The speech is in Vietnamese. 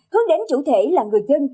hướng đến chủ thể là người dân